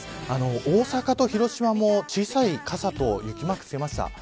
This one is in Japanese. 大阪と広島も小さい傘と雪マーク付けました。